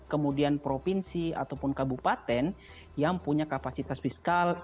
kemudian provinsi ataupun kabupaten yang punya kapasitas fiskal